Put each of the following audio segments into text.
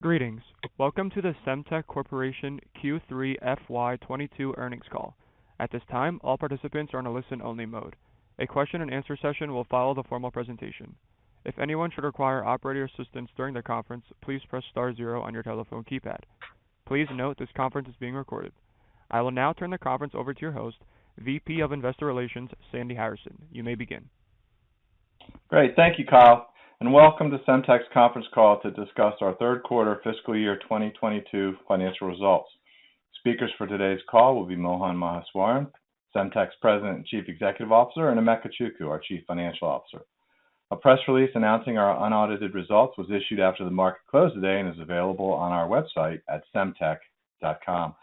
Greetings. Welcome to the Semtech Corporation Q3 FY 2022 earnings call. At this time, all participants are in a listen only mode. A question and answer session will follow the formal presentation. If anyone should require operator assistance during the conference, please press star zero on your telephone keypad. Please note this conference is being recorded. I will now turn the conference over to your host, VP of Investor Relations, Sandy Harrison. You may begin. Great. Thank you, Kyle, and welcome to Semtech's conference call to discuss our third quarter fiscal year 2022 financial results. Speakers for today's call will be Mohan Maheswaran, Semtech's President and Chief Executive Officer, and Emeka Chukwu, our Chief Financial Officer. A press release announcing our unaudited results was issued after the market closed today and is available on our website at semtech.com.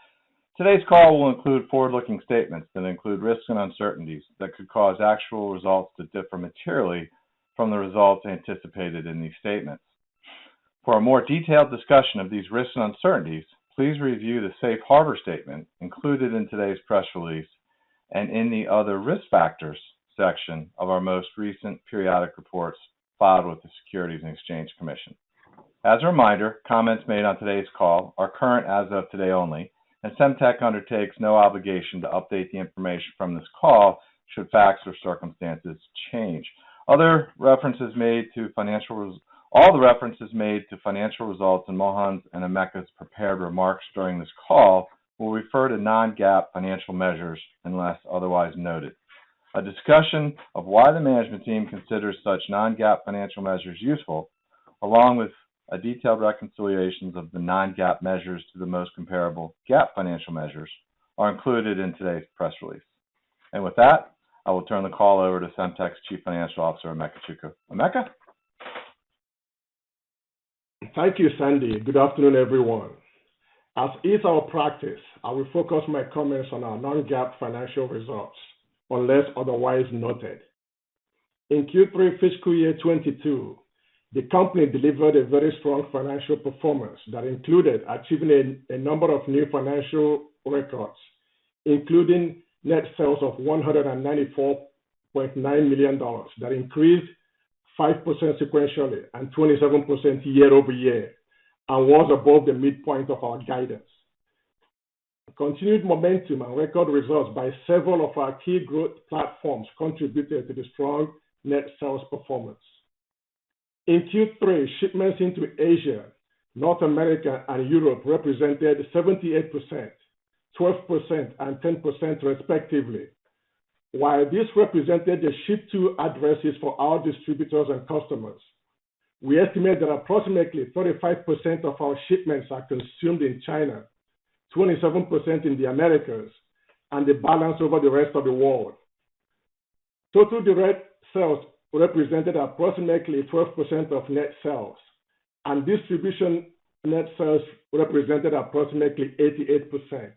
Today's call will include forward-looking statements that include risks and uncertainties that could cause actual results to differ materially from the results anticipated in these statements. For a more detailed discussion of these risks and uncertainties, please review the safe harbor statement included in today's Press Release and in the Other Risk Factors section of our most recent periodic reports filed with the Securities and Exchange Commission. As a reminder, comments made on today's call are current as of today only, and Semtech undertakes no obligation to update the information from this call should facts or circumstances change. All the references made to financial results in Mohan's and Emeka's prepared remarks during this call will refer to non-GAAP financial measures unless otherwise noted. A discussion of why the Management team considers such non-GAAP financial measures useful, along with a detailed reconciliation of the non-GAAP measures to the most comparable GAAP financial measures, are included in today's Press Release. With that, I will turn the call over to Semtech's Chief Financial Officer, Emeka Chukwu. Emeka? Thank you, Sandy. Good afternoon, everyone. As is our practice, I will focus my comments on our non-GAAP financial results, unless otherwise noted. In Q3 fiscal year 2022, the company delivered a very strong financial performance that included achieving a number of new financial records, including net sales of $194.9 million that increased 5% sequentially and 27% year-over-year and was above the midpoint of our guidance. Continued momentum and record results by several of our key growth platforms contributed to the strong net sales performance. In Q3, shipments into Asia, North America and Europe represented 78%, 12% and 10% respectively. While this represented the ship to addresses for our distributors and customers, we estimate that approximately 45% of our shipments are consumed in China, 27% in the Americas, and the balance over the rest of the world. Total direct sales represented approximately 12% of net sales, and distribution net sales represented approximately 88%.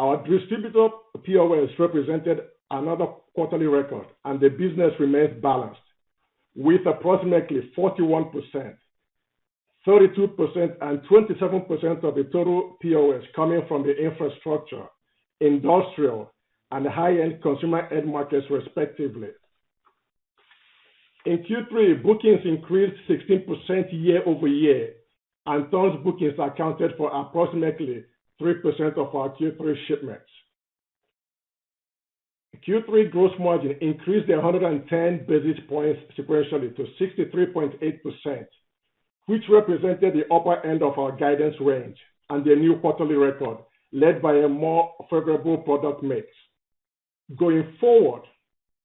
Our distributor POS represented another quarterly record, and the business remains balanced with approximately 41%, 32%, and 27% of the total POS coming from the infrastructure, industrial, and high-end consumer end markets respectively. In Q3, bookings increased 16% year-over-year, and turns bookings accounted for approximately 3% of our Q3 shipments. Q3 gross margin increased 110 basis points sequentially to 63.8%, which represented the upper end of our guidance range and a new quarterly record led by a more favorable product mix. Going forward,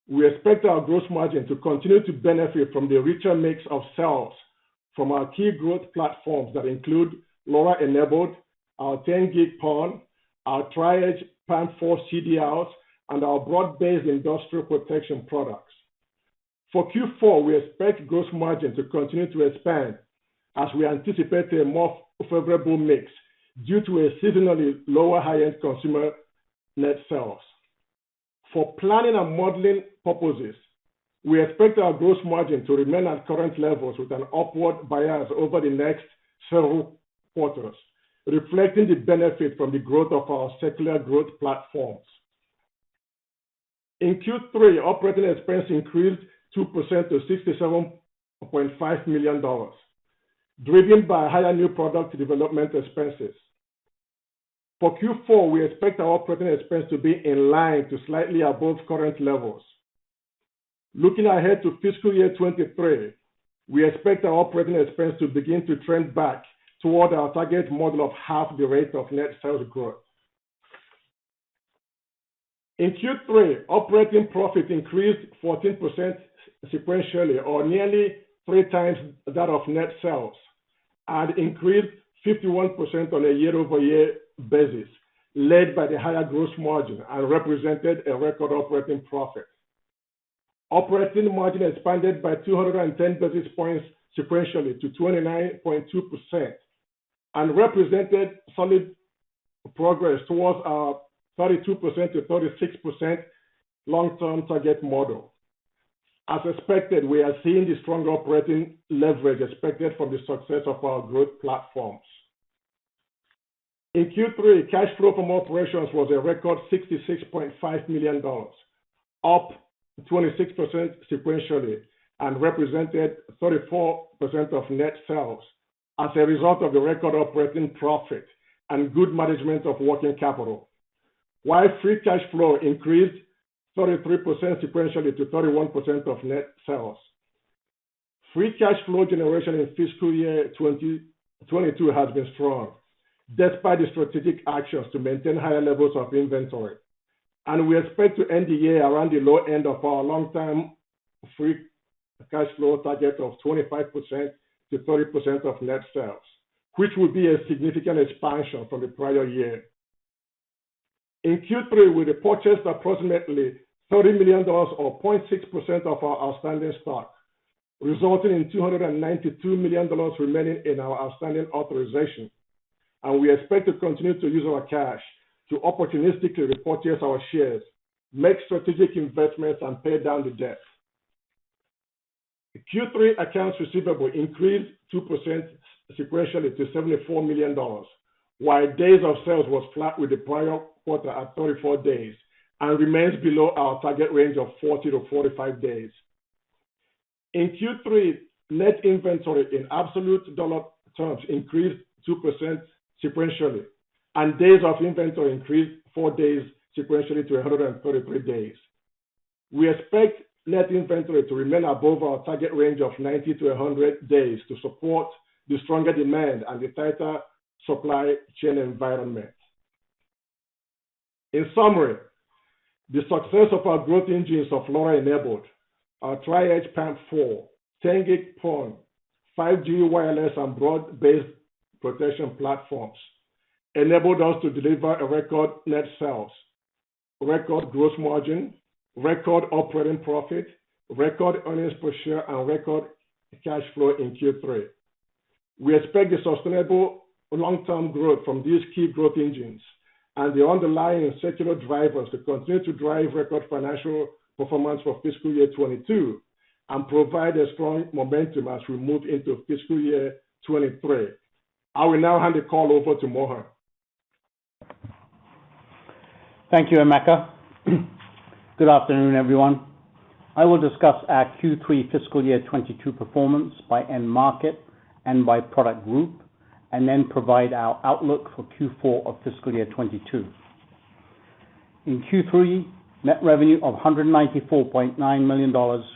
we expect our gross margin to continue to benefit from the richer mix of sales from our key growth platforms that include LoRa-enabled, our 10G PON, our Tri-Edge PAM4 CDRs, and our broad-based industrial protection products. For Q4, we expect gross margin to continue to expand as we anticipate a more favorable mix due to a seasonally lower high-end consumer net sales. For planning and modeling purposes, we expect our gross margin to remain at current levels with an upward bias over the next several quarters, reflecting the benefit from the growth of our secular growth platforms. In Q3, operating expense increased 2% to $67.5 million, driven by higher new product development expenses. For Q4, we expect our operating expense to be in line to slightly above current levels. Looking ahead to fiscal year 2023, we expect our operating expense to begin to trend back toward our target model of half the rate of net sales growth. In Q3, operating profit increased 14% sequentially, or nearly 3x that of net sales, and increased 51% on a year-over-year basis, led by the higher gross margin and represented a record operating profit. Operating margin expanded by 210 basis points sequentially to 29.2% and represented solid progress towards our 32%-36% long-term target model. As expected, we are seeing the stronger operating leverage expected from the success of our growth platforms. In Q3, cash flow from operations was a record $66.5 million, up 26% sequentially, and represented 34% of net sales as a result of the record operating profit and good management of working capital, while free cash flow increased 33% sequentially to 31% of net sales. Free cash flow generation in fiscal year 2022 has been strong, despite the strategic actions to maintain higher levels of inventory, and we expect to end the year around the low end of our long-term free cash flow target of 25%-30% of net sales, which will be a significant expansion from the prior year. In Q3, we repurchased approximately $30 million or 0.6% of our outstanding stock, resulting in $292 million remaining in our outstanding authorization, and we expect to continue to use our cash to opportunistically repurchase our shares, make strategic investments, and pay down the debt. In Q3, accounts receivable increased 2% sequentially to $74 million, while days of sales was flat with the prior quarter at 34 days and remains below our target range of 40-45 days. In Q3, net inventory in absolute dollar terms increased 2% sequentially, and days of inventory increased four days sequentially to 133 days. We expect net inventory to remain above our target range of 90-100 days to support the stronger demand and the tighter supply chain environment. In summary, the success of our growth engines of LoRa, Tri-Edge PAM4, 10G PON, 5G wireless, and broad-based protection platforms enabled us to deliver a record net sales, record gross margin, record operating profit, record earnings per share, and record cash flow in Q3. We expect the sustainable long-term growth from these key growth engines and the underlying secular drivers to continue to drive record financial performance for fiscal year 2022 and provide a strong momentum as we move into fiscal year 2023. I will now hand the call over to Mohan. Thank you, Emeka. Good afternoon, everyone. I will discuss our Q3 fiscal year 2022 performance by end market and by product group, and then provide our outlook for Q4 of fiscal year 2022. In Q3, net revenue of $194.9 million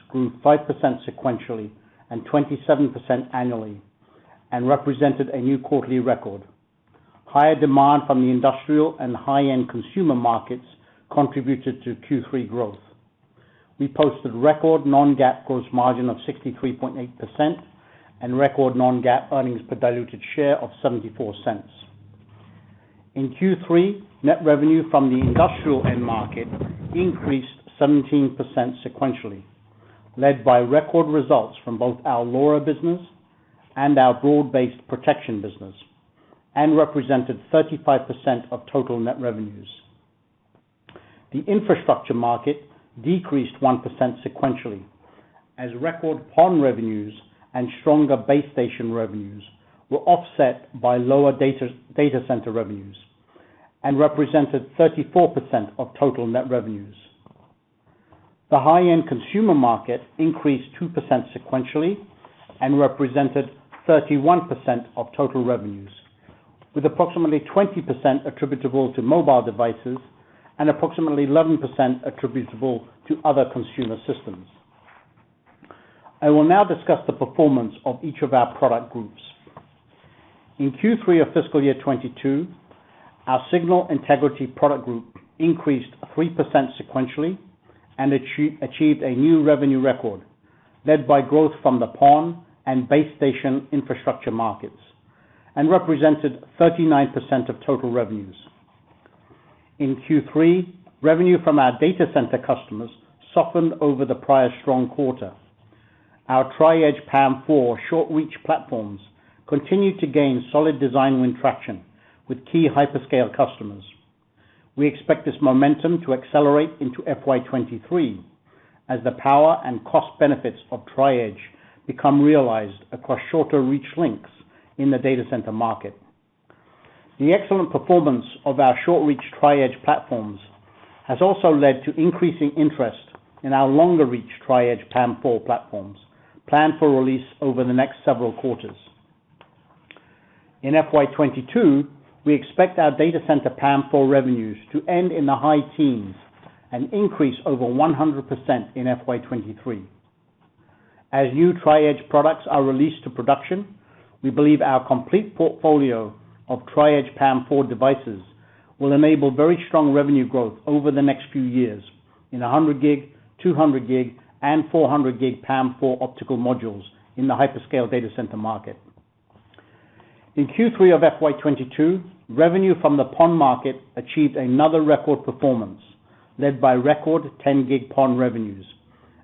grew 5% sequentially and 27% annually and represented a new quarterly record. Higher demand from the industrial and high-end consumer markets contributed to Q3 growth. We posted record non-GAAP gross margin of 63.8% and record non-GAAP earnings per diluted share of $0.74. In Q3, net revenue from the industrial end market increased 17% sequentially, led by record results from both our LoRa business and our broad-based protection business, and represented 35% of total net revenues. The infrastructure market decreased 1% sequentially as record PON revenues and stronger base station revenues were offset by lower Data Center revenues and represented 34% of total net revenues. The high-end consumer market increased 2% sequentially and represented 31% of total revenues, with approximately 20% attributable to mobile devices and approximately 11% attributable to other consumer systems. I will now discuss the performance of each of our product groups. In Q3 of fiscal year 2022, our Signal Integrity product group increased 3% sequentially and achieved a new revenue record led by growth from the PON and base station infrastructure markets, and represented 39% of total revenues. In Q3, revenue from our Data Center customers softened over the prior strong quarter. Our Tri-Edge PAM4 short reach platforms continued to gain solid design win traction with key hyperscale customers. We expect this momentum to accelerate into FY 2023 as the power and cost benefits of Tri-Edge become realized across shorter reach links in the Data Center market. The excellent performance of our short reach Tri-Edge platforms has also led to increasing interest in our longer reach Tri-Edge PAM4 platforms planned for release over the next several quarters. In FY 2022, we expect our Data Center PAM4 revenues to end in the high-teens and increase over 100% in FY 2023. As new Tri-Edge products are released to production, we believe our complete portfolio of Tri-Edge PAM4 devices will enable very strong revenue growth over the next few years in 100G, 200G, and 400G PAM4 optical modules in the hyperscale Data Center market. In Q3 of FY 2022, revenue from the PON market achieved another record performance led by record 10G PON revenues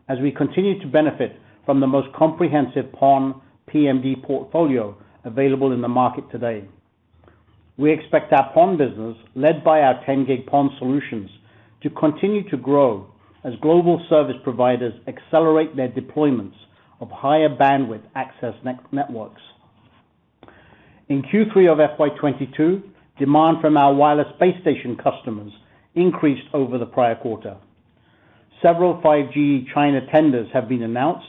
as we continue to benefit from the most comprehensive PON PMD portfolio available in the market today. We expect our PON business, led by our 10G PON solutions to continue to grow as global service providers accelerate their deployments of higher bandwidth access networks. In Q3 of FY 2022, demand from our wireless base station customers increased over the prior quarter. Several 5G China tenders have been announced,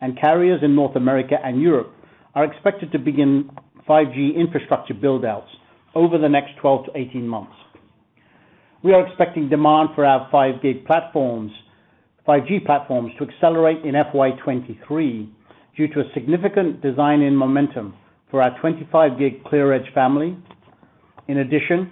and carriers in North America and Europe are expected to begin 5G infrastructure build-outs over the next 12 to 18 months. We are expecting demand for our 5G platforms, 5G platforms to accelerate in FY 2023 due to a significant design in momentum for our 25G ClearEdge family. In addition,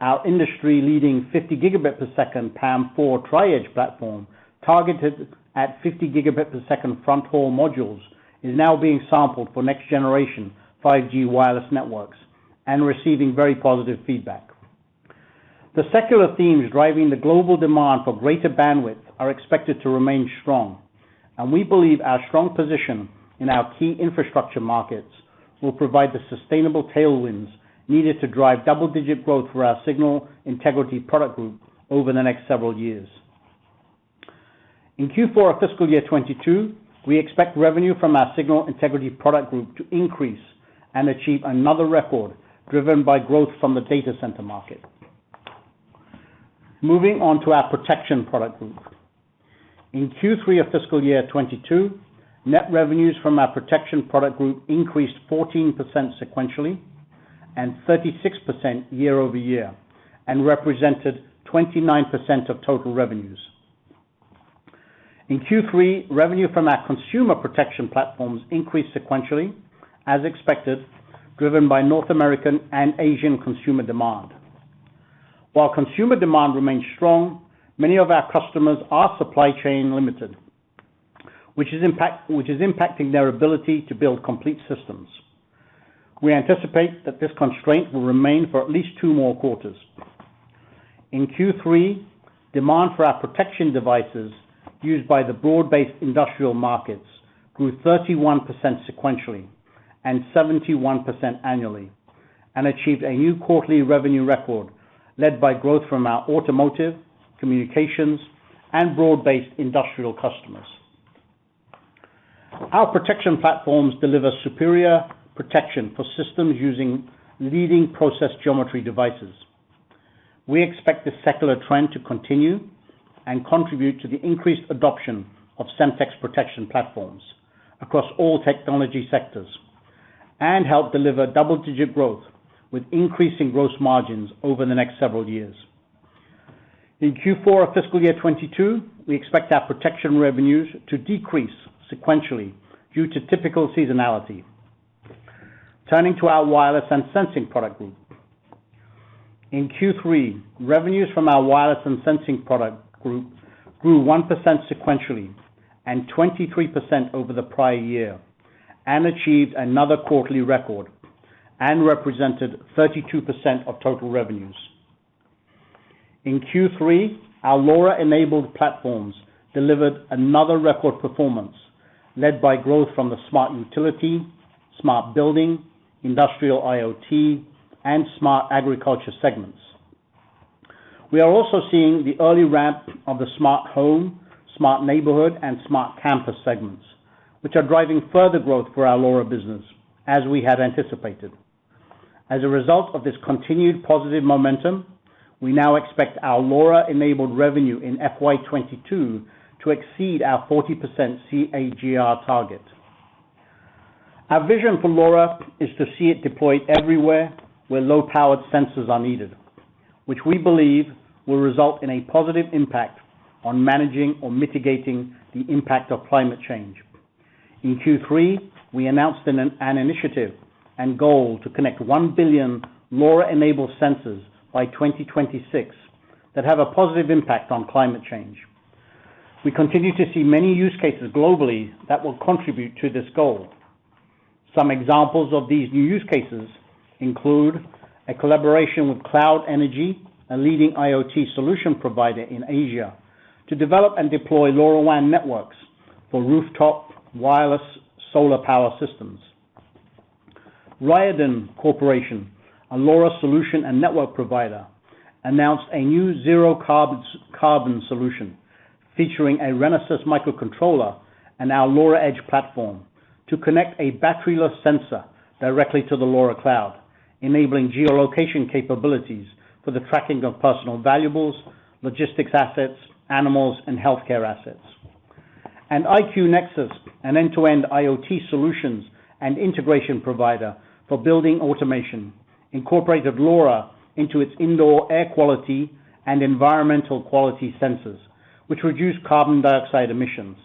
our industry-leading 50 Gb per second PAM4 Tri-Edge platform, targeted at 50 Gb per second front haul modules, is now being sampled for next generation 5G wireless networks and receiving very positive feedback. The secular themes driving the global demand for greater bandwidth are expected to remain strong, and we believe our strong position in our key infrastructure markets will provide the sustainable tailwinds needed to drive double-digit growth for our Signal Integrity product group over the next several years. In Q4 of fiscal year 2022, we expect revenue from our Signal Integrity product group to increase and achieve another record driven by growth from the Data Center market. Moving on to our protection product group. In Q3 of fiscal year 2022, net revenues from our Protection product group increased 14% sequentially and 36% year-over-year and represented 29% of total revenues. In Q3, revenue from our consumer protection platforms increased sequentially as expected, driven by North American and Asian consumer demand. While consumer demand remains strong, many of our customers are supply chain limited, which is impacting their ability to build complete systems. We anticipate that this constraint will remain for at least two more quarters. In Q3, demand for our Protection devices used by the broad-based industrial markets grew 31% sequentially and 71% annually and achieved a new quarterly revenue record led by growth from our automotive, communications, and broad-based industrial customers. Our Protection platforms deliver superior Protection for systems using leading process geometry devices. We expect this secular trend to continue and contribute to the increased adoption of Semtech's Protection platforms across all technology sectors and help deliver double-digit growth with increasing gross margins over the next several years. In Q4 of FY 2022, we expect our Protection revenues to decrease sequentially due to typical seasonality. Turning to our wireless and sensing product group, in Q3, revenues from our wireless and sensing product group grew 1% sequentially and 23% over the prior year and achieved another quarterly record and represented 32% of total revenues. In Q3, our LoRa-enabled platforms delivered another record performance led by growth from the Smart Utility, Smart Building, Industrial IoT, and Smart Agriculture segments. We are also seeing the early ramp of the smart home, smart neighborhood, and smart campus segments, which are driving further growth for our LoRa business, as we had anticipated. As a result of this continued positive momentum, we now expect our LoRa-enabled revenue in FY 2022 to exceed our 40% CAGR target. Our vision for LoRa is to see it deployed everywhere where low-powered sensors are needed, which we believe will result in a positive impact on managing or mitigating the impact of climate change. In Q3, we announced an initiative and goal to connect 1 billion LoRa-enabled sensors by 2026 that have a positive impact on climate change. We continue to see many use cases globally that will contribute to this goal. Some examples of these new use cases include a collaboration with Cloud Energy, a leading IoT solution provider in Asia, to develop and deploy LoRaWAN networks for rooftop wireless solar power systems. RYODEN Corporation, a LoRa solution and network provider, announced a new zero-carbon solution featuring a Renesas microcontroller and our LoRa Edge platform to connect a battery-less sensor directly to the LoRa Cloud, enabling geolocation capabilities for the tracking of personal valuables, logistics assets, animals, and healthcare assets. IQnexus, an end-to-end IoT solutions and integration provider for building automation, incorporated LoRa into its indoor air quality and environmental quality sensors, which reduce carbon dioxide emissions.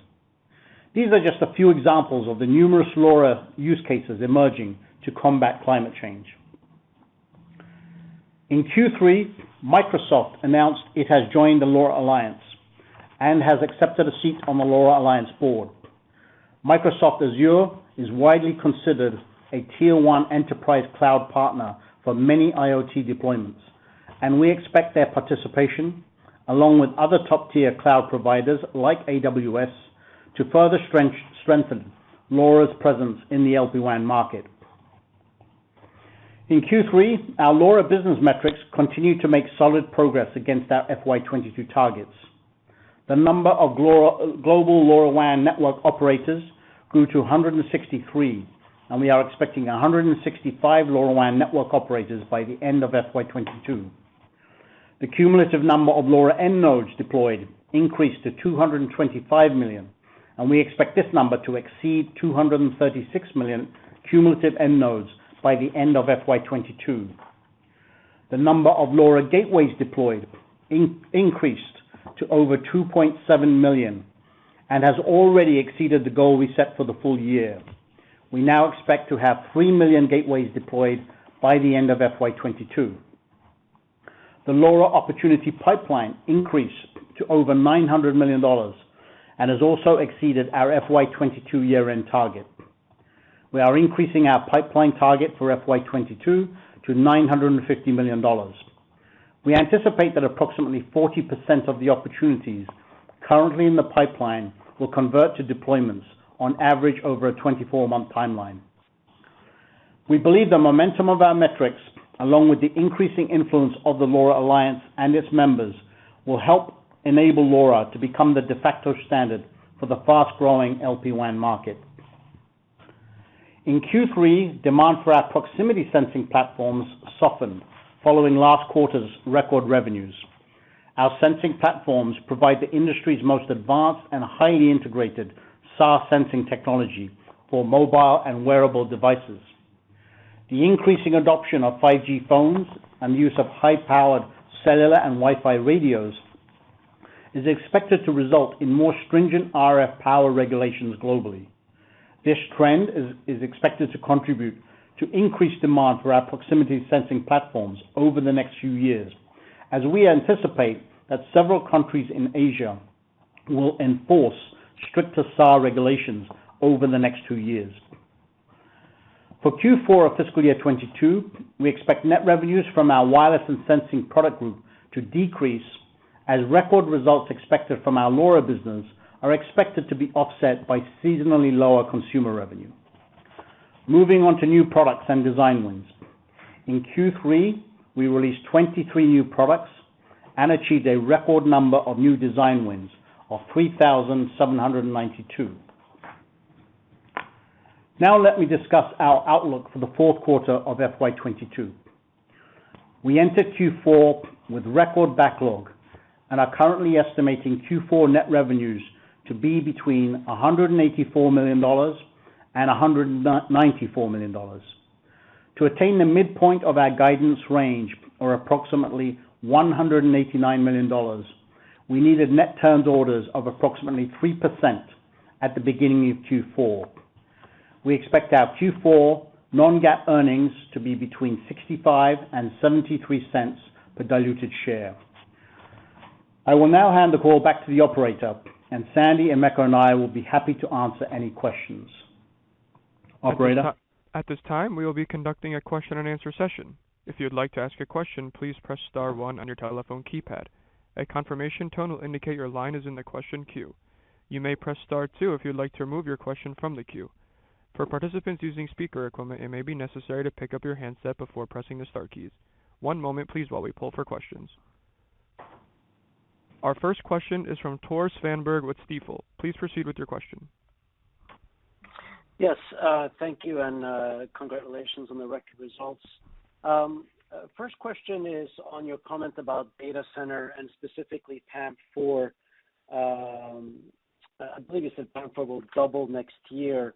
These are just a few examples of the numerous LoRa use cases emerging to combat climate change. In Q3, Microsoft announced it has joined the LoRa Alliance and has accepted a seat on the LoRa Alliance board. Microsoft Azure is widely considered a tier one enterprise cloud partner for many IoT deployments, and we expect their participation, along with other top-tier cloud providers like AWS, to further strengthen LoRa's presence in the LoRaWAN market. In Q3, our LoRa business metrics continued to make solid progress against our FY 2022 targets. The number of global LoRaWAN network operators grew to 163, and we are expecting 165 LoRaWAN network operators by the end of FY 2022. The cumulative number of LoRa end nodes deployed increased to 225 million, and we expect this number to exceed 236 million cumulative end nodes by the end of FY 2022. The number of LoRa gateways deployed increased to over 2.7 million and has already exceeded the goal we set for the full year. We now expect to have 3 million gateways deployed by the end of FY 2022. The LoRa opportunity pipeline increased to over $900 million and has also exceeded our FY 2022 year-end target. We are increasing our pipeline target for FY 2022 to $950 million. We anticipate that approximately 40% of the opportunities currently in the pipeline will convert to deployments on average over a 24-month timeline. We believe the momentum of our metrics, along with the increasing influence of the LoRa Alliance and its members, will help enable LoRa to become the de facto standard for the fast-growing LPWAN market. In Q3, demand for our proximity sensing platforms softened following last quarter's record revenues. Our sensing platforms provide the industry's most advanced and highly integrated SAR sensing technology for mobile and wearable devices. The increasing adoption of 5G phones and use of high-powered cellular and Wi-Fi radios is expected to result in more stringent RF power regulations globally. This trend is expected to contribute to increased demand for our proximity sensing platforms over the next few years, as we anticipate that several countries in Asia will enforce stricter SAR regulations over the next two years. For Q4 of fiscal year 2022, we expect net revenues from our wireless and sensing product group to decrease, as record results expected from our LoRa business are expected to be offset by seasonally lower consumer revenue. Moving on to new products and design wins. In Q3, we released 23 new products and achieved a record number of new design wins of 3,792. Now let me discuss our outlook for the fourth quarter of FY 2022. We enter Q4 with record backlog and are currently estimating Q4 net revenues to be between $184 million and $194 million. To attain the midpoint of our guidance range, or approximately $189 million, we needed net turned orders of approximately 3% at the beginning of Q4. We expect our Q4 non-GAAP earnings to be between $0.65 and $0.73 per diluted share. I will now hand the call back to the operator, and Sandy, Emeka, and I will be happy to answer any questions. Operator? At this time, we will be conducting a question and answer session. If you'd like to ask a question, please press star one on your telephone keypad. A confirmation tone will indicate your line is in the question queue. You may press star two if you'd like to remove your question from the queue. For participants using speaker equipment, it may be necessary to pick up your handset before pressing the star keys. One moment please while we pull for questions. Our first question is from Tore Svanberg with Stifel. Please proceed with your question. Yes, thank you and congratulations on the record results. First question is on your comment about Data Center and specifically PAM4. I believe you said PAM4 will double next year.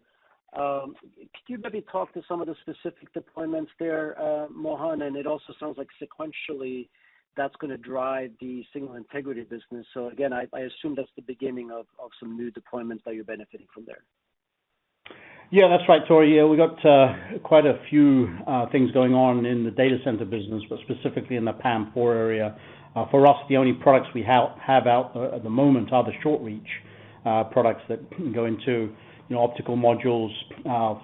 Could you maybe talk to some of the specific deployments there, Mohan? It also sounds like sequentially that's gonna drive the Signal Integrity business. Again, I assume that's the beginning of some new deployments that you're benefiting from there. Yeah. That's right, Tore. Yeah, we've got quite a few things going on in the Data Center business, but specifically in the PAM4 area. For us, the only products we have out at the moment are the short reach products that go into, you know, optical modules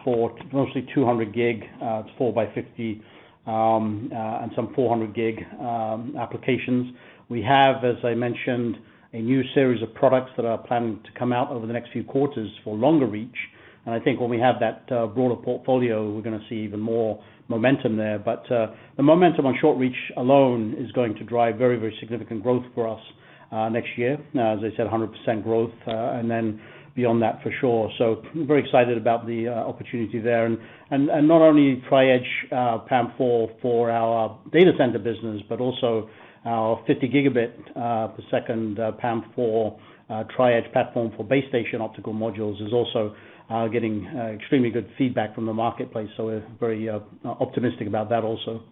for mostly 200G, it's 4 by 50, and some 400G applications. We have, as I mentioned, a new series of products that are planned to come out over the next few quarters for longer reach. I think when we have that broader portfolio, we're gonna see even more momentum there. The momentum on short reach alone is going to drive very, very significant growth for us next year. Now, as I said, 100% growth, and then beyond that for sure. Very excited about the opportunity there. Not only Tri-Edge PAM4 for our Data Center business, but also our 50 Gb per second PAM4 Tri-Edge platform for base station optical modules is also getting extremely good feedback from the marketplace. We're very optimistic about that also.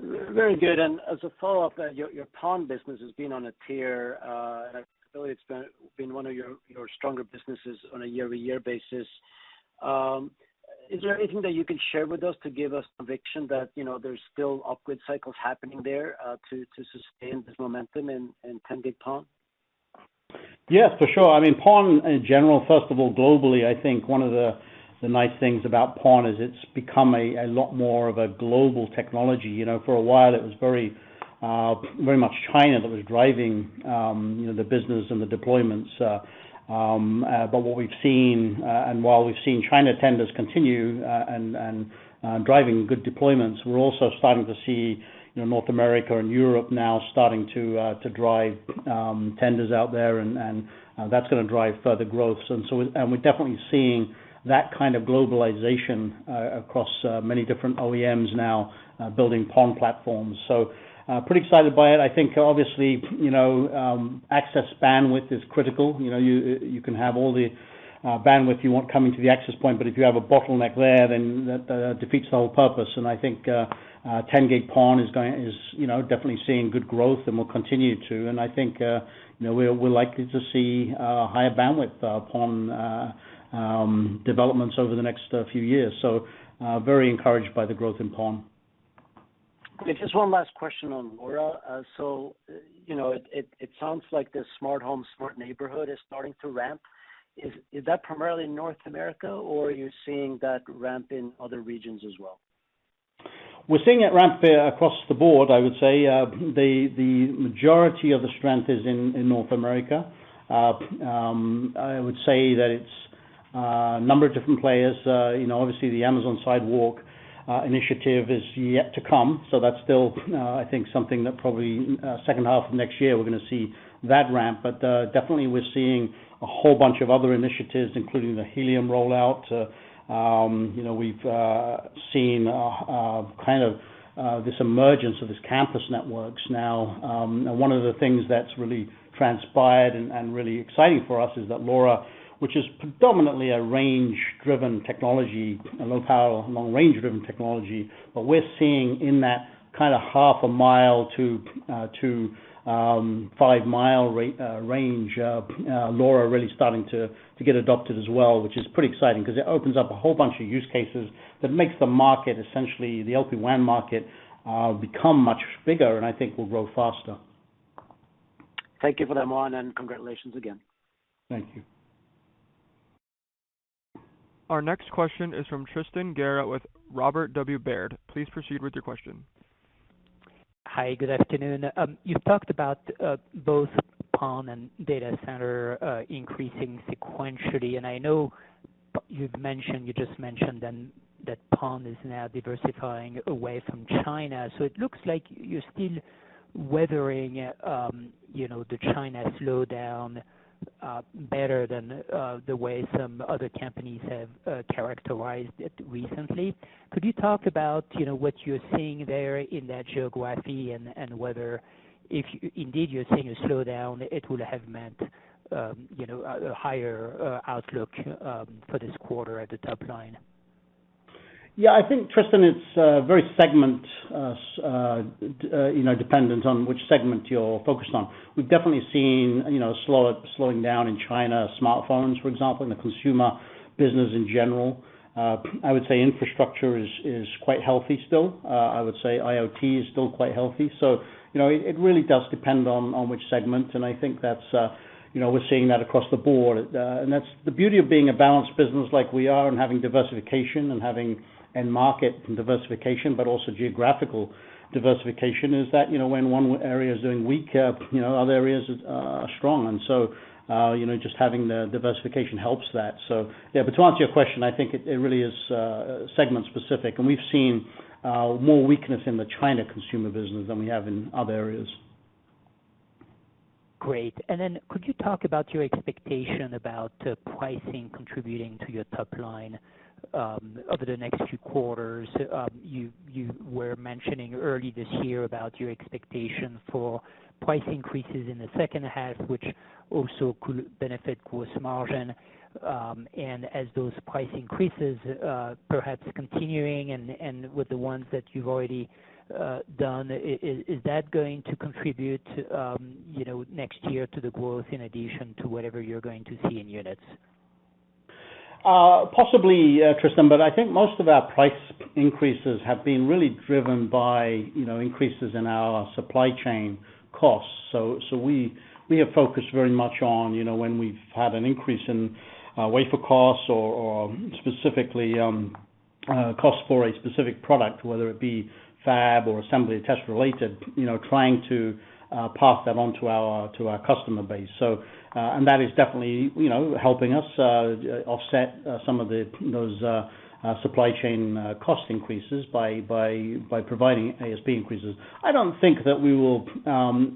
Very good. As a follow-up, your PON business has been on a tear, and I believe it's been one of your stronger businesses on a year-over-year basis. Is there anything that you can share with us to give us conviction that, you know, there's still upward cycles happening there, to sustain this momentum in 10G PON? Yes, for sure. I mean, PON in general, first of all, globally, I think one of the nice things about PON is it's become a lot more of a global technology. You know, for a while, it was very much China that was driving the business and the deployments. But what we've seen, and while we've seen China tenders continue and driving good deployments, we're also starting to see, you know, North America and Europe now starting to drive tenders out there, and that's gonna drive further growth. We're definitely seeing that kind of globalization across many different OEMs now building PON platforms. So, pretty excited by it. I think obviously, you know, access bandwidth is critical. You know, you can have all the bandwidth you want coming to the access point, but if you have a bottleneck there, then that defeats the whole purpose. I think 10G PON is, you know, definitely seeing good growth and will continue to, and I think you know, we're likely to see higher bandwidth PON developments over the next few years. Very encouraged by the growth in PON. Just one last question on LoRa. You know, it sounds like the smart home, smart neighborhood is starting to ramp. Is that primarily in North America, or are you seeing that ramp in other regions as well? We're seeing it ramp across the board, I would say. The majority of the strength is in North America. I would say that it's a number of different players. You know, obviously the Amazon Sidewalk initiative is yet to come, so that's still, I think something that probably second half of next year, we're gonna see that ramp. Definitely we're seeing a whole bunch of other initiatives, including the Helium rollout. You know, we've seen kind of this emergence of this campus networks now. One of the things that's really transpired and really exciting for us is that LoRa, which is predominantly a range driven technology, a low power, long range driven technology. We're seeing in that kinda half a mile to 5 mi range LoRa really starting to get adopted as well, which is pretty exciting because it opens up a whole bunch of use cases that makes the market, essentially, the LPWAN market, become much bigger, and I think will grow faster. Thank you for that, Mohan, and congratulations again. Thank you. Our next question is from Tristan Gerra with Robert W. Baird. Please proceed with your question. Hi, good afternoon. You've talked about both PON and Data Center increasing sequentially, and I know you've mentioned, you just mentioned then that PON is now diversifying away from China. It looks like you're still weathering, you know, the China slowdown better than the way some other companies have characterized it recently. Could you talk about, you know, what you're seeing there in that geography and whether if indeed you're seeing a slowdown, it will have meant, you know, a higher outlook for this quarter at the top line? Yeah. I think, Tristan, it's very segment dependent on which segment you're focused on. We've definitely seen, you know, slowing down in China, smartphones, for example, in the consumer business in general. I would say infrastructure is quite healthy still. I would say IoT is still quite healthy. You know, it really does depend on which segment, and I think that's, you know, we're seeing that across the board. And that's the beauty of being a balanced business like we are and having diversification and having end market and diversification, but also geographical diversification, is that, you know, when one area is doing weak, you know, other areas are strong. You know, just having the diversification helps that. Yeah, but to answer your question, I think it really is segment specific, and we've seen more weakness in the China consumer business than we have in other areas. Great. Could you talk about your expectation about pricing contributing to your top line over the next few quarters? You were mentioning early this year about your expectation for price increases in the second half, which also could benefit gross margin. As those price increases perhaps continuing and with the ones that you've already done, is that going to contribute, you know, next year to the growth in addition to whatever you're going to see in units? Possibly, Tristan, but I think most of our price increases have been really driven by, you know, increases in our supply chain costs. We have focused very much on, you know, when we've had an increase in wafer costs or specifically cost for a specific product, whether it be fab or assembly test related, you know, trying to pass that on to our customer base. That is definitely, you know, helping us offset some of those supply chain cost increases by providing ASP increases. I don't think that we will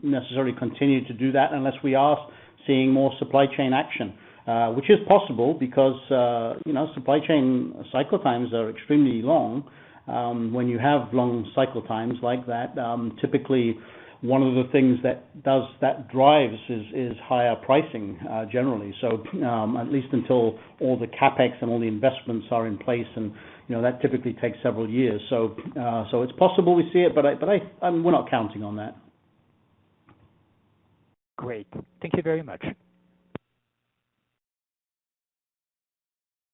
necessarily continue to do that unless we are seeing more supply chain action, which is possible because, you know, supply chain cycle times are extremely long. When you have long cycle times like that, typically one of the things that drives is higher pricing, generally. At least until all the CapEx and all the investments are in place and, you know, that typically takes several years. It's possible we see it, but I and we're not counting on that. Great. Thank you very much.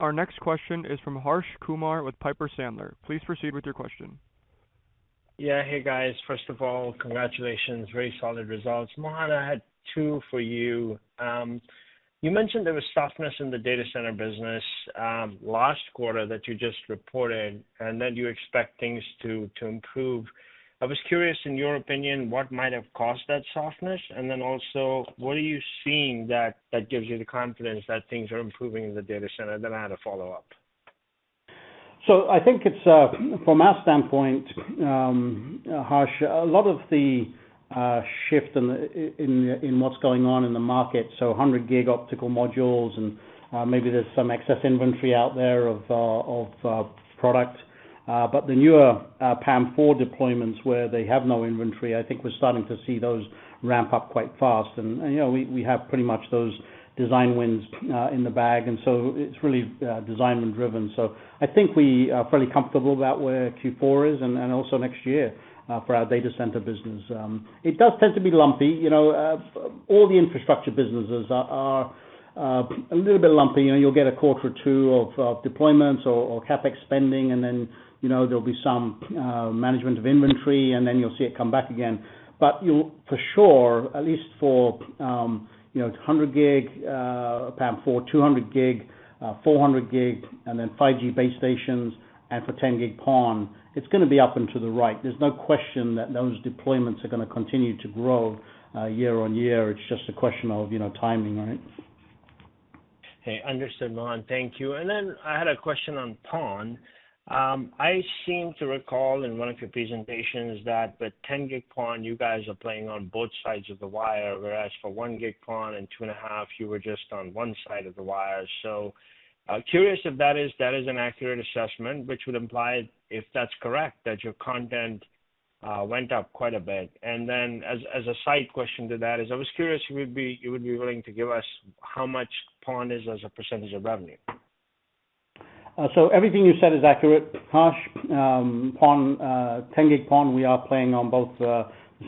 Our next question is from Harsh Kumar with Piper Sandler. Please proceed with your question. Yeah. Hey, guys. First of all, congratulations. Very solid results. Mohan, I had two for you. You mentioned there was softness in the Data Center business last quarter that you just reported, and that you expect things to improve. I was curious, in your opinion, what might have caused that softness? What are you seeing that gives you the confidence that things are improving in the Data Center? I had a follow-up. I think it's from our standpoint, Harsh, a lot of the shift in what's going on in the market, so 100G optical modules and maybe there's some excess inventory out there of product. But the newer PAM4 deployments where they have no inventory, I think we're starting to see those ramp up quite fast. You know, we have pretty much those design wins in the bag. It's really design driven. I think we are fairly comfortable about where Q4 is and also next year for our Data Center business. It does tend to be lumpy. All the infrastructure businesses are a little bit lumpy. You know, you'll get a quarter or two of deployments or CapEx spending, and then, you know, there'll be some management of inventory, and then you'll see it come back again. You'll for sure, at least for, you know, 100G PAM4, 200G, 400G, and then 5G base stations and for 10G PON, it's gonna be up and to the right. There's no question that those deployments are gonna continue to grow year-over-year. It's just a question of, you know, timing on it. Okay. Understood, Mohan. Thank you. I had a question on PON. I seem to recall in one of your presentations that the 10G PON, you guys are playing on both sides of the wire, whereas for 1G PON and 2.5, you were just on one side of the wire. Curious if that is an accurate assessment, which would imply, if that's correct, that your content went up quite a bit. As a side question to that, I was curious if you would be willing to give us how much PON is as a percentage of revenue. Everything you said is accurate, Harsh. 10G PON, we are playing on both,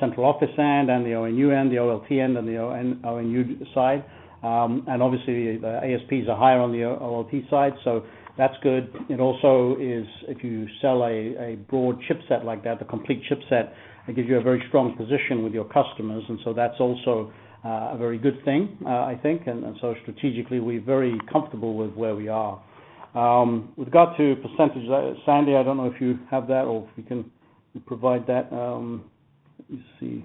central office end and the ONU end, the OLT end, and the ONU side. Obviously the ASPs are higher on the OLT side, so that's good. It also is if you sell a broad chipset like that, the complete chipset, it gives you a very strong position with your customers. That's also a very good thing, I think. Strategically we're very comfortable with where we are. With regard to percentage, Sandy, I don't know if you have that or if you can provide that. Let me see.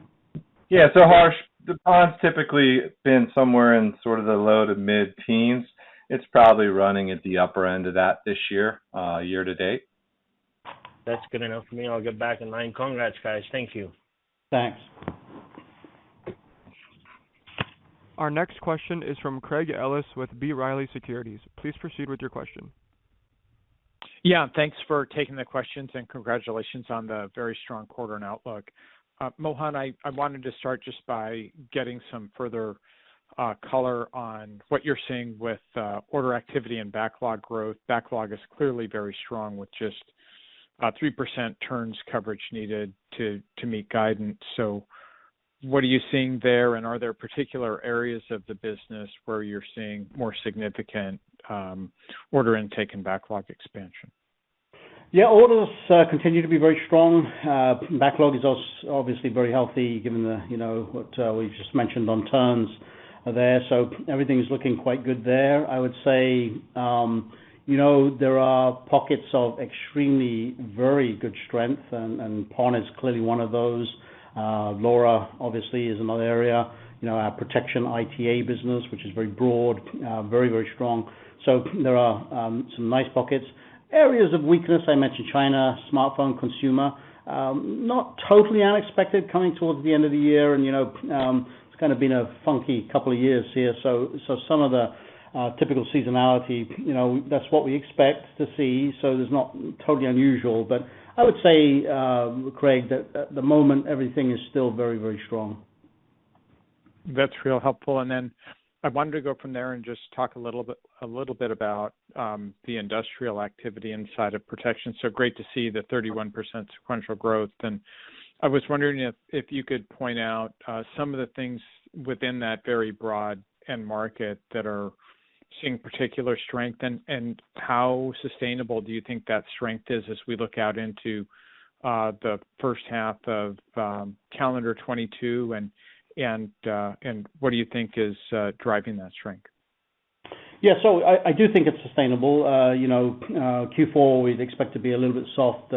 Yeah. Harsh, the PON's typically been somewhere in sort of the low to mid-teens. It's probably running at the upper end of that this year to date. That's good enough for me. I'll get back in line. Congrats, guys. Thank you. Thanks. Our next question is from Craig Ellis with B. Riley Securities. Please proceed with your question. Yeah, thanks for taking the questions and congratulations on the very strong quarter and outlook. Mohan, I wanted to start just by getting some further color on what you're seeing with order activity and backlog growth. Backlog is clearly very strong with just 3% turns coverage needed to meet guidance. What are you seeing there? And are there particular areas of the business where you're seeing more significant order intake and backlog expansion? Yeah. Orders continue to be very strong. Backlog is obviously very healthy given the, you know, what we've just mentioned on turns there. Everything's looking quite good there. I would say, you know, there are pockets of extremely very good strength, and PON is clearly one of those. LoRa obviously is another area. You know, our Protection IoT business, which is very broad, very strong. There are some nice pockets. Areas of weakness, I mentioned China, smartphone, consumer. Not totally unexpected coming towards the end of the year and, you know, it's kinda been a funky couple of years here. Some of the typical seasonality, you know, that's what we expect to see, so it's not totally unusual. I would say, Craig, that at the moment everything is still very, very strong. That's really helpful. Then I wanted to go from there and just talk a little bit about the industrial activity inside of protection. Great to see the 31% sequential growth. I was wondering if you could point out some of the things within that very broad end market that are seeing particular strength and how sustainable do you think that strength is as we look out into the first half of calendar 2022? What do you think is driving that strength? I do think it's sustainable. Q4 we'd expect to be a little bit soft,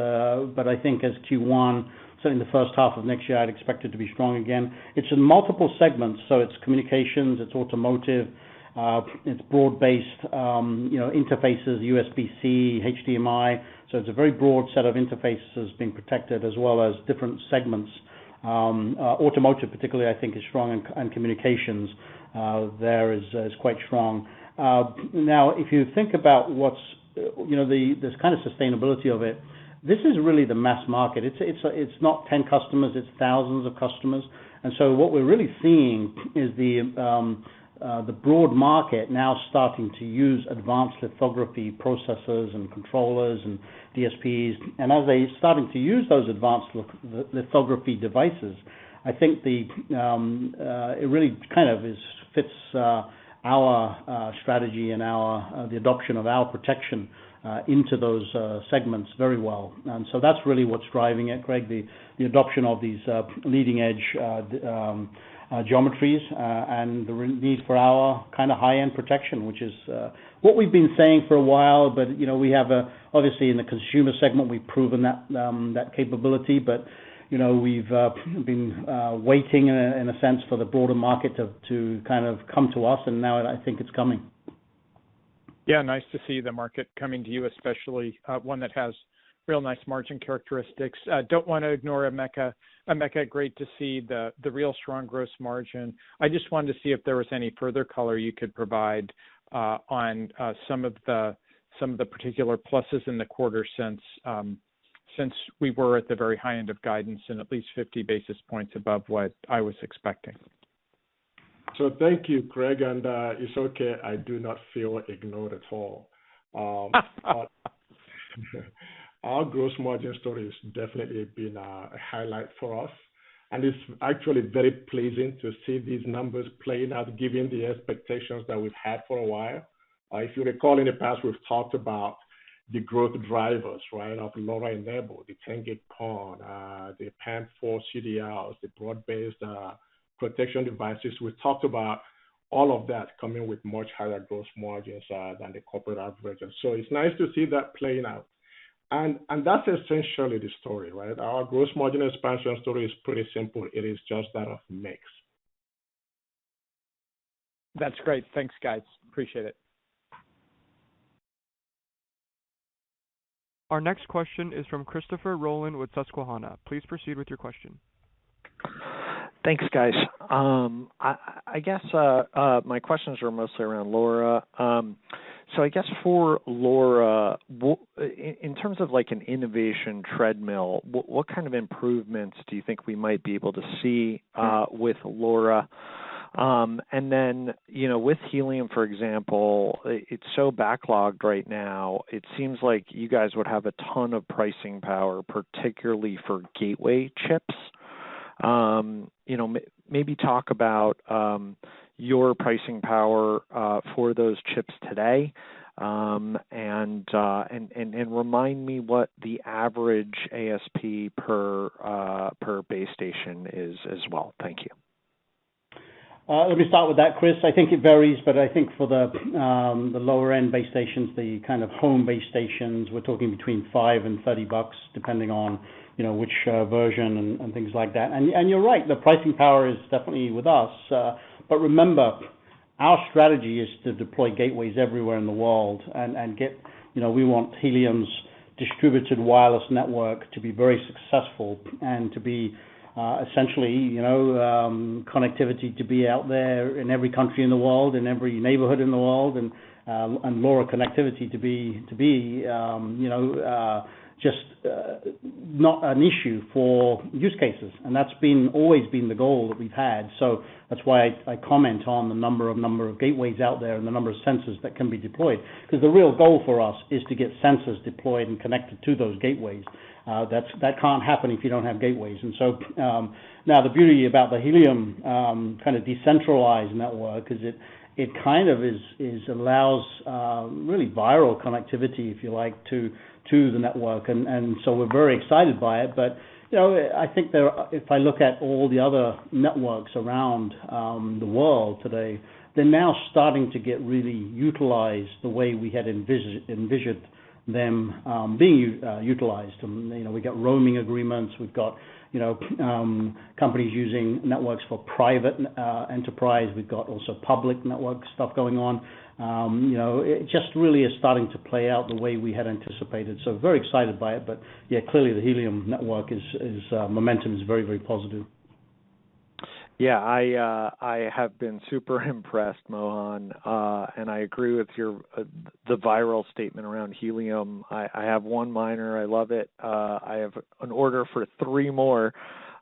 but I think in Q1, in the first half of next year, I'd expect it to be strong again. It's in multiple segments. It's Communications, it's Automotive, it's broad-based, interfaces, USB-C, HDMI. It's a very broad set of interfaces being protected as well as different segments. Automotive particularly I think is strong, and Communications there is quite strong. Now, if you think about what's this kind of sustainability of it, this is really the mass market. It's not 10 customers, it's thousands of customers. What we're really seeing is the broad market now starting to use advanced lithography processors and controllers and DSPs. As they're starting to use those advanced lithography devices, I think it really kind of fits our strategy and the adoption of our protection into those segments very well. That's really what's driving it, Craig, the adoption of these leading-edge geometries and the renewed need for our kind of high-end protection, which is what we've been saying for a while, but you know, we have obviously in the consumer segment, we've proven that capability. You know, we've been waiting in a sense for the broader market to come to us, and now I think it's coming. Yeah, nice to see the market coming to you, especially one that has real nice margin characteristics. Don't wanna ignore Emeka. Emeka, great to see the real strong gross margin. I just wanted to see if there was any further color you could provide on some of the particular pluses in the quarter since we were at the very high end of guidance and at least 50 basis points above what I was expecting. Thank you, Craig, and it's okay, I do not feel ignored at all. Our gross margin story has definitely been a highlight for us, and it's actually very pleasing to see these numbers playing out given the expectations that we've had for a while. If you recall in the past, we've talked about the growth drivers, right, of LoRa-enabled, the 10G PON, the PAM4 CDRs, the broad-based Protection devices. We've talked about all of that coming with much higher gross margins than the corporate average. That's essentially the story, right? Our gross margin expansion story is pretty simple. It is just that of mix. That's great. Thanks, guys. Appreciate it. Our next question is from Christopher Rolland with Susquehanna. Please proceed with your question. Thanks, guys. I guess my questions are mostly around LoRa. I guess for LoRa, in terms of like an innovation treadmill, what kind of improvements do you think we might be able to see with LoRa? You know, with Helium, for example, it's so backlogged right now, it seems like you guys would have a ton of pricing power, particularly for gateway chips. You know, maybe talk about your pricing power for those chips today. Remind me what the average ASP per base station is as well. Thank you. Let me start with that, Chris. I think it varies, but I think for the lower-end base stations, the kind of home base stations, we're talking between $5 and $30, depending on, you know, which version and things like that. You're right, the pricing power is definitely with us. Remember, our strategy is to deploy gateways everywhere in the world and get, you know, we want Helium's distributed wireless network to be very successful and to be essentially, you know, connectivity to be out there in every country in the world and every neighborhood in the world, and LoRa connectivity to be, you know, just not an issue for use cases. That's always been the goal that we've had. That's why I comment on the number of gateways out there and the number of sensors that can be deployed. Because the real goal for us is to get sensors deployed and connected to those gateways. That can't happen if you don't have gateways. Now the beauty about the Helium kind of decentralized network is it kind of allows really viral connectivity, if you like, to the network. We're very excited by it. You know, I think there are. If I look at all the other networks around the world today, they're now starting to get really utilized the way we had envisioned them being utilized. You know, we got roaming agreements. We've got, you know, companies using networks for private enterprise. We've got also public network stuff going on. You know, it just really is starting to play out the way we had anticipated, so very excited by it. Yeah, clearly the Helium network momentum is very, very positive. Yeah. I have been super impressed, Mohan, and I agree with your viral statement around Helium. I have one miner. I love it. I have an order for three more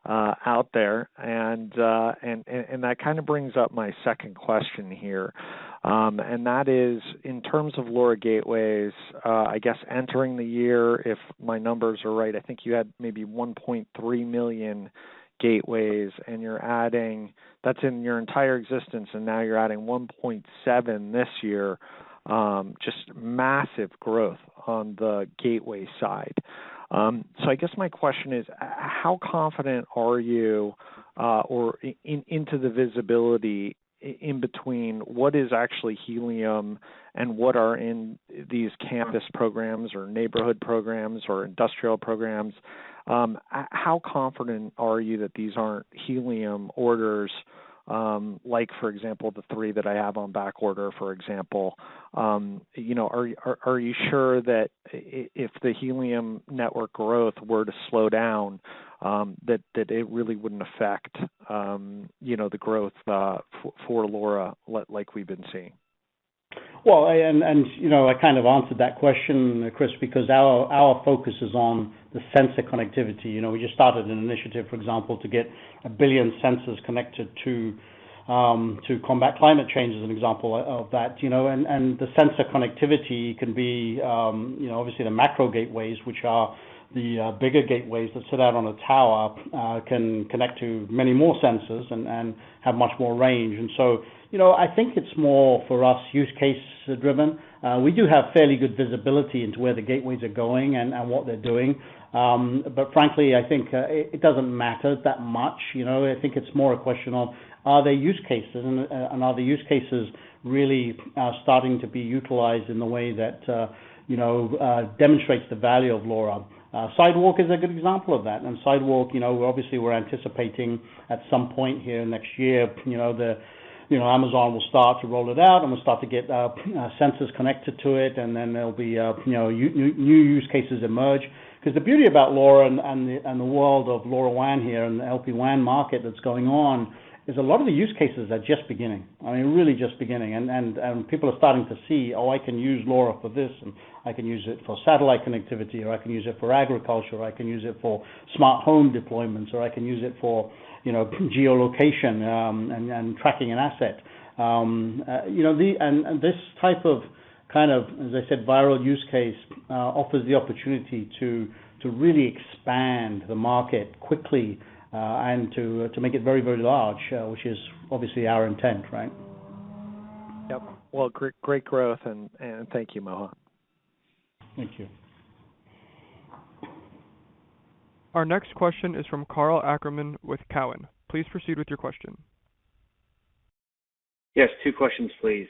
out there. That kind of brings up my second question here. That is, in terms of LoRa gateways, I guess entering the year, if my numbers are right, I think you had maybe 1.3 million gateways in your entire existence, and now you are adding 1.7 this year. Just massive growth on the gateway side. I guess my question is, how confident are you in the visibility in between what is actually Helium and what are in these campus programs or neighborhood programs or industrial programs, how confident are you that these aren't Helium orders, like, for example, the three that I have on back order, for example. You know, are you sure that if the Helium network growth were to slow down, that it really wouldn't affect, you know, the growth for LoRa like we've been seeing? You know, I kind of answered that question, Chris, because our focus is on the sensor connectivity. You know, we just started an initiative, for example, to get 1 billion sensors connected to combat climate change, as an example of that, you know. The sensor connectivity can be, you know, obviously the macro gateways, which are the bigger gateways that sit out on a tower, can connect to many more sensors and have much more range. You know, I think it's more for us use case driven. We do have fairly good visibility into where the gateways are going and what they're doing. Frankly, I think it doesn't matter that much, you know. I think it's more a question of are there use cases and are the use cases really starting to be utilized in the way that you know demonstrates the value of LoRa. Sidewalk is a good example of that. Sidewalk, you know, obviously we're anticipating at some point here next year, you know, Amazon will start to roll it out, and we'll start to get sensors connected to it, and then there'll be you know new use cases emerge. Because the beauty about LoRa and the world of LoRaWAN here and the LPWAN market that's going on is a lot of the use cases are just beginning. I mean, really just beginning. People are starting to see, "Oh, I can use LoRa for this, and I can use it for satellite connectivity, or I can use it for agriculture, or I can use it for smart home deployments, or I can use it for, you know, geolocation, and tracking an asset." You know, this type of, kind of, as I said, viral use case offers the opportunity to really expand the market quickly, and to make it very large, which is obviously our intent, right? Yep. Well, great growth and thank you, Mohan. Thank you. Our next question is from Karl Ackerman with Cowen. Please proceed with your question. Yes, two questions, please.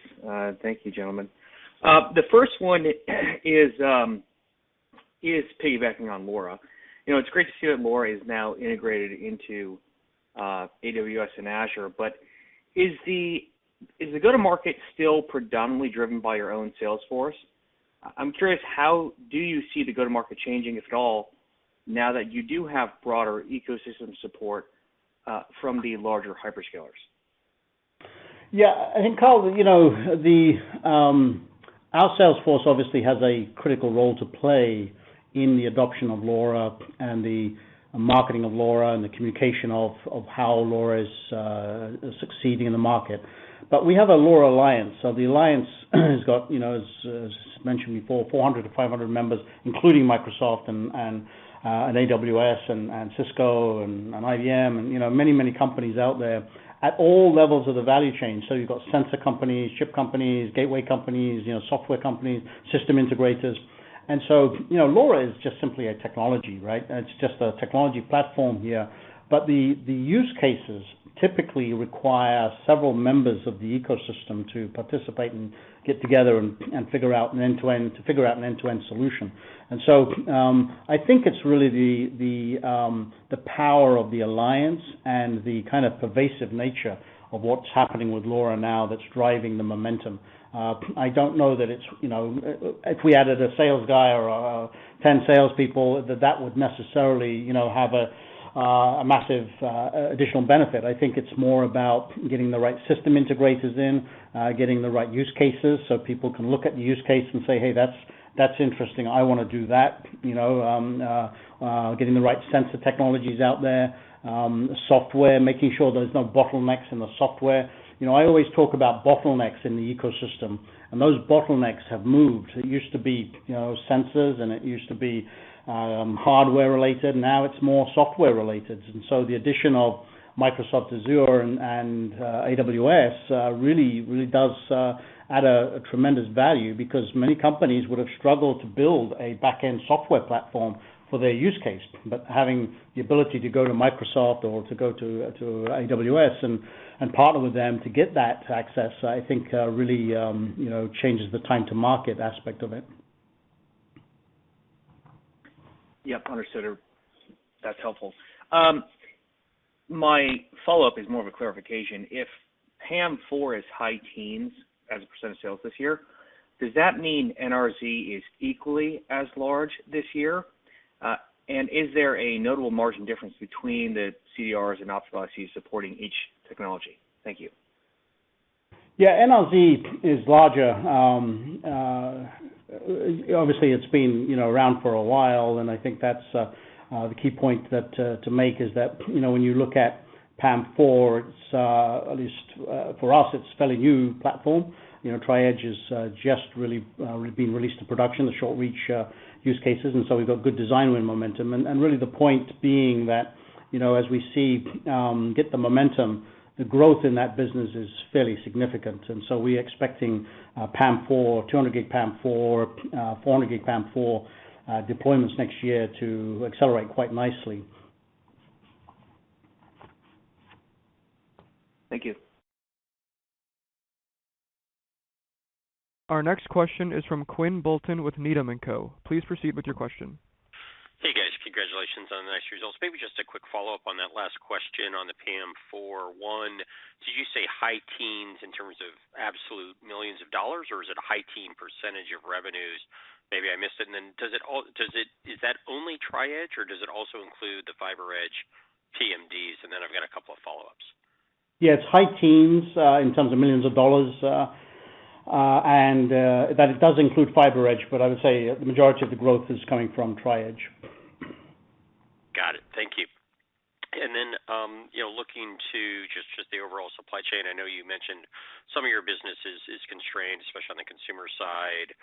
Thank you, gentlemen. The first one is piggybacking on LoRa. You know, it's great to see that LoRa is now integrated into AWS and Azure, but is the go-to-market still predominantly driven by your own sales force? I'm curious, how do you see the go-to-market changing, if at all, now that you do have broader ecosystem support from the larger hyperscalers? Yeah. I think, Karl, you know, the our sales force obviously has a critical role to play in the adoption of LoRa and the marketing of LoRa and the communication of how LoRa is succeeding in the market. We have a LoRa Alliance. The alliance has got, you know, as mentioned before, 400-500 members, including Microsoft and AWS and Cisco and IBM, and, you know, many companies out there at all levels of the value chain. So you've got sensor companies, chip companies, gateway companies, you know, software companies, system integrators. LoRa is just simply a technology, right? It's just a technology platform, yeah. Use cases typically require several members of the ecosystem to participate and get together and figure out an end-to-end solution. I think it's really the power of the Alliance and the kind of pervasive nature of what's happening with LoRa now that's driving the momentum. I don't know that it's you know. If we added a sales guy or ten salespeople, that would necessarily you know have a massive additional benefit. I think it's more about getting the right system integrators in, getting the right use cases so people can look at the use case and say, "Hey, that's interesting. I wanna do that." You know, getting the right sensor technologies out there, software, making sure there's no bottlenecks in the software. You know, I always talk about bottlenecks in the ecosystem, and those bottlenecks have moved. It used to be, you know, sensors and it used to be hardware related. Now it's more software related. The addition of Microsoft Azure and AWS really does add a tremendous value because many companies would have struggled to build a backend software platform for their use case. Having the ability to go to Microsoft or to go to AWS and partner with them to get that access, I think really you know changes the time to market aspect of it. Yeah. Understood. That's helpful. My follow-up is more of a clarification. If PAM4 is high-teens% of sales this year, does that mean NRZ is equally as large this year? And is there a notable margin difference between the CDRs and optical ICs supporting each technology? Thank you. Yeah, NRZ is larger. Obviously, it's been, you know, around for a while, and I think that's the key point to make is that, you know, when you look at PAM4, it's at least for us, it's a fairly new platform. You know, Tri-Edge is just really being released to production, the short reach use cases, and so we've got good design win momentum. And really the point being that, you know, as we get the momentum, the growth in that business is fairly significant. We're expecting PAM4, 200G PAM4, 400G PAM4 deployments next year to accelerate quite nicely. Thank you. Our next question is from Quinn Bolton with Needham & Company. Please proceed with your question. Hey, guys. Congratulations on the nice results. Maybe just a quick follow-up on that last question on the PAM4. One, did you say high-teens in terms of absolute millions of dollars, or is it a high-teens percentage of revenues? Maybe I missed it. Is that only Tri-Edge or does it also include the FiberEdge TIAs? I've got a couple of follow-ups. Yeah, it's high-teens in terms of millions of dollars. That does include FiberEdge, but I would say the majority of the growth is coming from Tri-Edge. Got it. Thank you. You know, looking to just the overall supply chain, I know you mentioned some of your businesses is constrained, especially on the consumer side,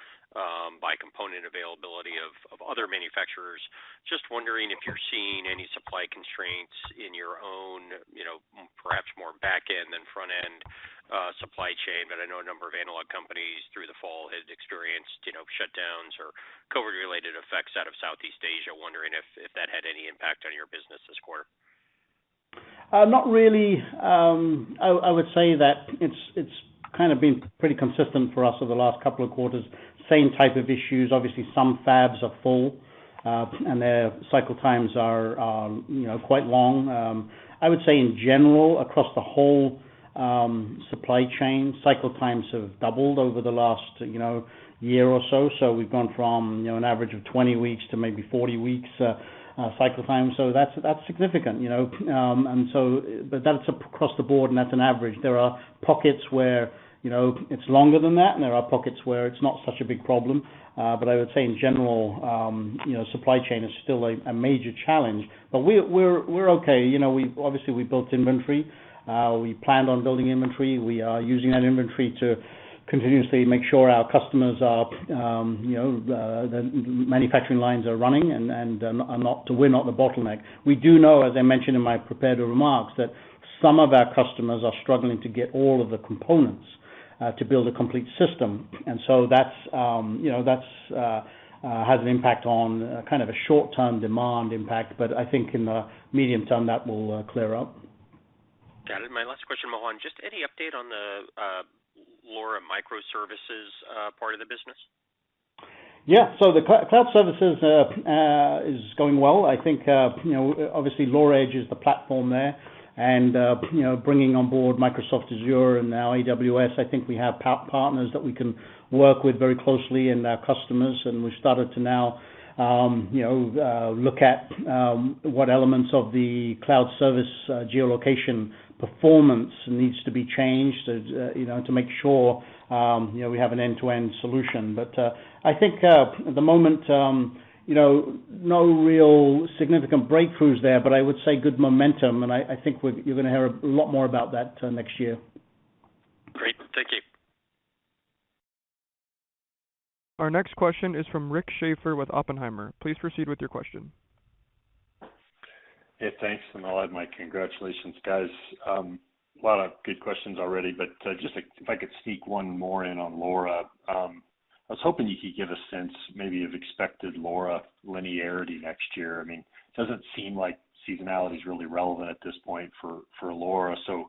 by component availability of other manufacturers. Just wondering if you're seeing any supply constraints in your own, you know, perhaps more back-end than front-end, supply chain. I know a number of analog companies through the fall had experienced, you know, shutdowns or COVID-related effects out of Southeast Asia. Wondering if that had any impact on your business this quarter. Not really. I would say that it's kind of been pretty consistent for us over the last couple of quarters. Same type of issues. Obviously, some fabs are full, and their cycle times are, you know, quite long. I would say in general, across the whole supply chain, cycle times have doubled over the last, you know, year or so. We've gone from, you know, an average of 20 weeks to maybe 40 weeks cycle time. That's significant, you know. That's across the board, and that's an average. There are pockets where, you know, it's longer than that, and there are pockets where it's not such a big problem. I would say in general, you know, supply chain is still a major challenge. We're okay. You know, we've obviously built inventory. We planned on building inventory. We are using that inventory to continuously make sure our customers are, you know, the manufacturing lines are running and we're not the bottleneck. We do know, as I mentioned in my prepared remarks, that some of our customers are struggling to get all of the components to build a complete system. That's, you know, has an impact on kind of a short-term demand impact, but I think in the medium term, that will clear up. Got it. My last question, Mohan. Just any update on the LoRa microservices part of the business? Yeah. The cloud services is going well. I think, you know, obviously LoRa Edge is the platform there. Bringing on board Microsoft Azure and now AWS, I think we have partners that we can work with very closely and our customers, and we've started to now look at what elements of the Cloud Service Geolocation performance needs to be changed you know to make sure you know we have an end-to-end solution. I think at the moment you know no real significant breakthroughs there, but I would say good momentum. I think you're gonna hear a lot more about that next year. Great. Thank you. Our next question is from Rick Schafer with Oppenheimer. Please proceed with your question. Yeah, thanks. I'll add my congratulations, guys. A lot of good questions already, but just if I could sneak one more in on LoRa. I was hoping you could give a sense maybe of expected LoRa linearity next year. I mean, it doesn't seem like seasonality is really relevant at this point for LoRa. If you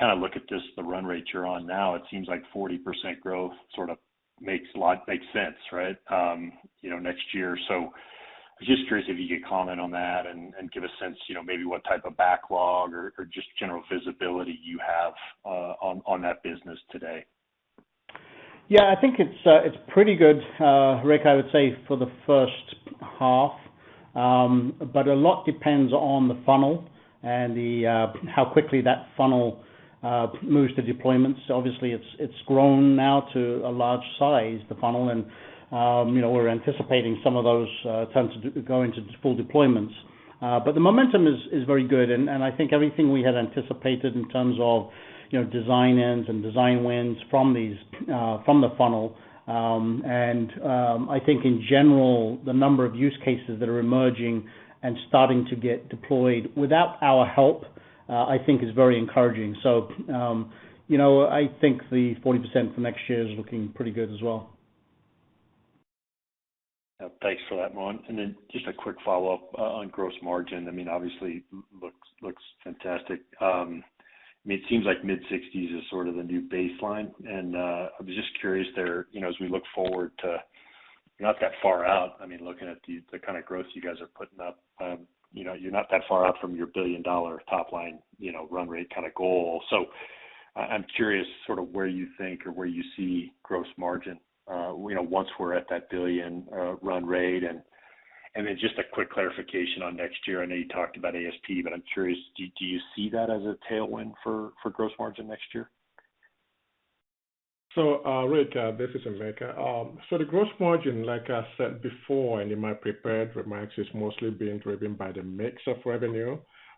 kind of look at just the run rate you're on now, it seems like 40% growth sort of makes sense, right, you know, next year. I'm just curious if you could comment on that and give a sense, you know, maybe what type of backlog or just general visibility you have on that business today. Yeah. I think it's pretty good, Rick, I would say for the first half. A lot depends on the funnel and how quickly that funnel moves to deployments. Obviously, it's grown now to a large size, the funnel, and you know, we're anticipating some of those turns to go into full deployments. The momentum is very good. I think everything we had anticipated in terms of, you know, design-ins and design wins from the funnel, and I think in general, the number of use cases that are emerging and starting to get deployed without our help, I think is very encouraging. You know, I think the 40% for next year is looking pretty good as well. Yeah. Thanks for that, Mohan. Then just a quick follow-up on gross margin. I mean, obviously looks fantastic. I mean, it seems like mid-60s% is sort of the new baseline. I was just curious there, you know, as we look forward to not that far out, I mean, looking at the kind of growth you guys are putting up, you know, you're not that far out from your billion-dollar top line, you know, run rate kinda goal. I'm curious sort of where you think or where you see gross margin, you know, once we're at that billion run rate. Then just a quick clarification on next year. I know you talked about ASP, but I'm curious, do you see that as a tailwind for gross margin next year? Rick, this is Emeka. The gross margin, like I said before and in my prepared remarks, is mostly being driven by the mix of revenue.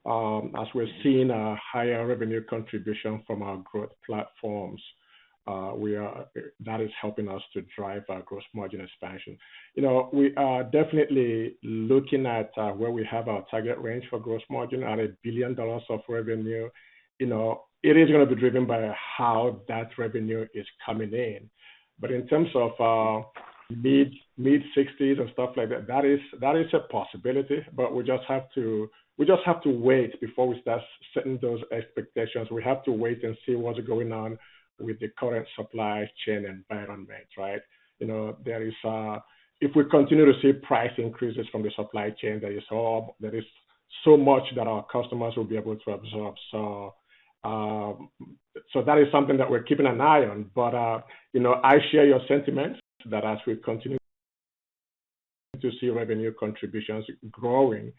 As we're seeing a higher revenue contribution from our growth platforms, that is helping us to drive our gross margin expansion. You know, we are definitely looking at where we have our target range for gross margin at $1 billion of revenue. You know, it is gonna be driven by how that revenue is coming in. In terms of, mid-60s% and stuff like that. That is a possibility, but we just have to wait before we start setting those expectations. We have to wait and see what's going on with the current supply chain environment, right? You know, if we continue to see price increases from the supply chain that you saw, there is so much that our customers will be able to absorb. So that is something that we're keeping an eye on. But you know, I share your sentiment that as we continue to see revenue contributions growing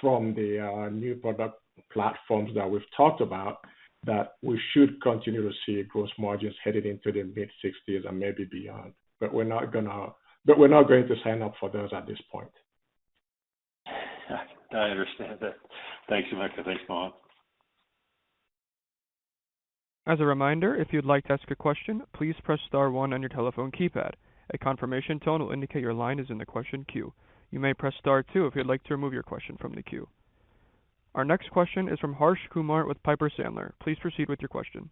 from the new product platforms that we've talked about, that we should continue to see gross margins headed into the mid-60s% and maybe beyond. But we're not going to sign up for those at this point. I understand that. Thank you Emeka. Thanks, Mohan. As a reminder, if you'd like to ask a question, please press star one on your telephone keypad. A confirmation tone will indicate your line is in the question queue. You may press star two if you'd like to remove your question from the queue. Our next question is from Harsh Kumar with Piper Sandler. Please proceed with your question.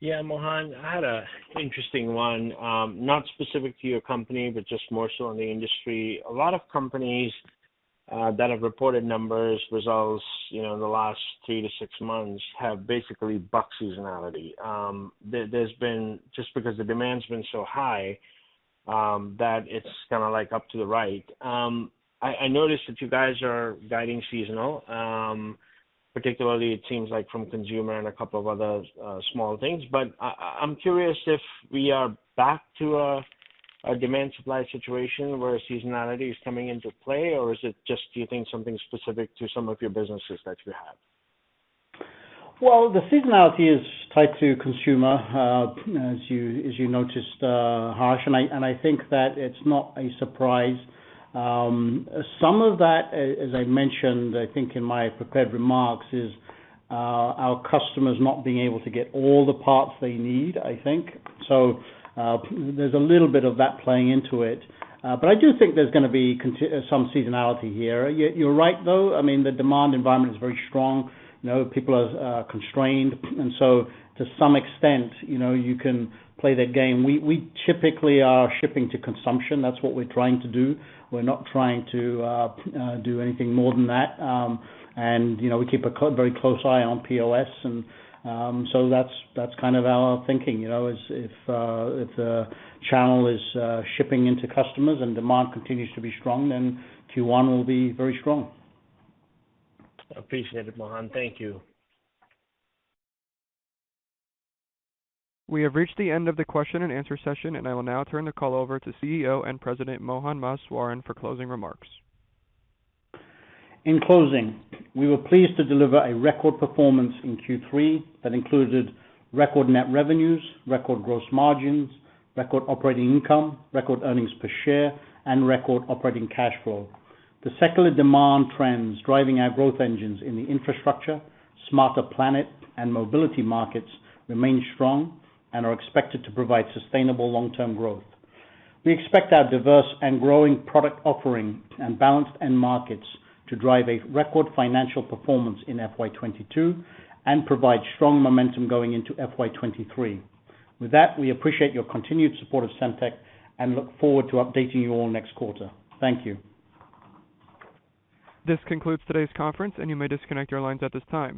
Yeah, Mohan, I had an interesting one, not specific to your company, but just more so in the industry. A lot of companies that have reported numbers, results, you know, in the last three to six months have basically buck seasonality. There's been just because the demand's been so high, that it's kinda, like, up to the right. I noticed that you guys are guiding seasonal, particularly it seems like from consumer and a couple of other small things. I'm curious if we are back to a demand supply situation where seasonality is coming into play, or is it just do you think something specific to some of your businesses that you have? Well, the seasonality is tied to consumer, as you noticed, Harsh, and I think that it's not a surprise. Some of that, as I mentioned, I think in my prepared remarks, is our customers not being able to get all the parts they need, I think. There's a little bit of that playing into it. I do think there's gonna be some seasonality here. You're right, though. I mean, the demand environment is very strong. You know, people are constrained. To some extent, you know, you can play that game. We typically are shipping to consumption. That's what we're trying to do. We're not trying to do anything more than that. You know, we keep a very close eye on POS. That's kind of our thinking. You know, if the channel is shipping into customers and demand continues to be strong, then Q1 will be very strong. Appreciate it, Mohan. Thank you. We have reached the end of the question and answer session, and I will now turn the call over to CEO and President, Mohan Maheswaran, for closing remarks. In closing, we were pleased to deliver a record performance in Q3 that included record net revenues, record gross margins, record operating income, record earnings per share, and record operating cash flow. The secular demand trends driving our growth engines in the infrastructure, smarter planet, and mobility markets remain strong and are expected to provide sustainable long-term growth. We expect our diverse and growing product offering and balanced end markets to drive a record financial performance in FY 2022 and provide strong momentum going into FY 2023. With that, we appreciate your continued support of Semtech and look forward to updating you all next quarter. Thank you. This concludes today's conference, and you may disconnect your lines at this time.